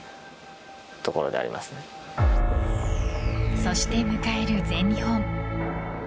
そして迎える全日本。